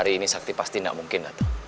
rupanya siapa mungkin